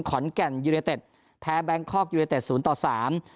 ขอนแก่นยูเนเต็ดแพ้แบงคอกยูเนเต็ดศูนย์ต่อสาม